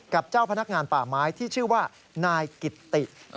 เจ้าพนักงานป่าไม้ที่ชื่อว่านายกิตติ